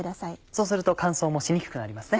そうすると乾燥もしにくくなりますね。